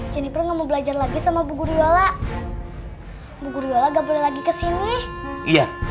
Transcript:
jeniper gak mau belajar lagi sama bu guri yola